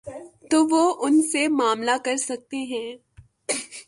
تو وہ ان سے معاملہ کر سکتے ہیں۔